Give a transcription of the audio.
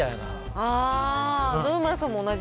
ああ、野々村さんも同じ？